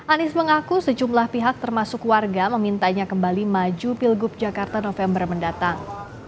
anies mengaku sejumlah pihak termasuk warga memintanya kembali maju pilgub jakarta november mendatang